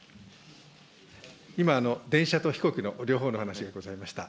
今、電車と飛行機の両方の話がございました。